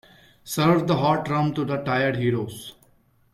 Serve the hot rum to the tired heroes.